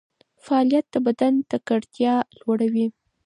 فعالیت د بدن تکړتیا لوړوي.